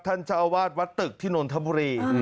ท่านเจ้าอาวาสวัดตึกที่นนทบุรี